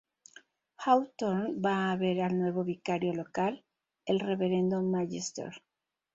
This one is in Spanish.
Hawthorne va a ver al nuevo vicario local, el reverendo Magister.